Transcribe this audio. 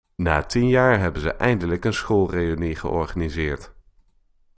Na tien jaar hebben ze eindelijk een schoolreünie georganiseerd.